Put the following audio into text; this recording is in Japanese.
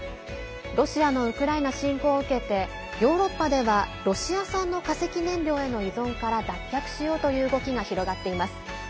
ロシアのウクライナ侵攻を受けてヨーロッパではロシア産の化石燃料への依存から脱却しようという動きが広がっています。